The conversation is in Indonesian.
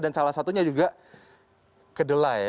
dan salah satunya juga kedelai